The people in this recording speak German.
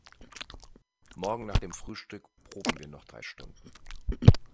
Morgen nach dem Frühstück proben wir noch drei Stunden.